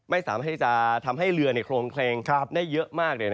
ไม่สามารถที่จะทำให้เรือโครงเคลงได้เยอะมาก